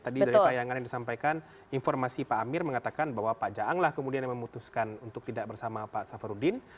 tadi dari tayangan yang disampaikan informasi pak amir mengatakan bahwa pak jaang lah kemudian yang memutuskan untuk tidak bersama pak safarudin